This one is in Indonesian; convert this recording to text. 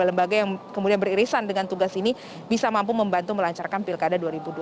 lembaga yang kemudian beririsan dengan tugas ini bisa mampu membantu melancarkan pilkada dua ribu dua puluh